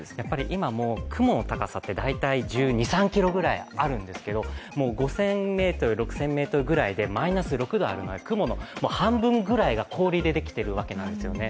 今、雲の高さって大体１２１３ｋｍぐらいあるんですけど、５０００ｍ、６０００ｍぐらいでマイナス６度なので雲の半分ぐらいが氷でできているわけなんですね。